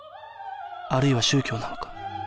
あるいは宗教なのか？